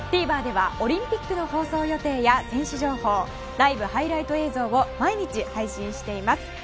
ＴＶｅｒではオリンピックの放送予定や選手情報ライブ・ハイライト映像を毎日配信しています。